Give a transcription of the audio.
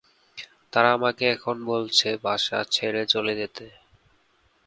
তারা আমাকে এখন বলছে বাসা ছেড়ে চলে যেতে।